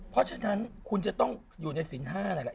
เพราะฉะนั้นคุณจะต้องอยู่ในสิน๕อะไรแหละ